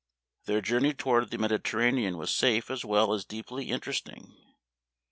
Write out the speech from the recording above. Their journey toward the Mediterranean was safe as well as deeply interest ing.